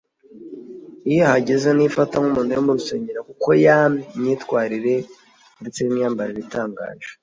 Iyo ahageze ntiyifata nk’umuntu uri mu rusengero kuko yam myitwarire ndetse n’imyambarire itangaje